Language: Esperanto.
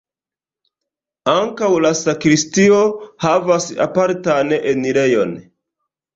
Ankaŭ la sakristio havas apartan enirejon.